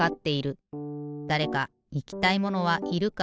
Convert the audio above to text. だれかいきたいものはいるか？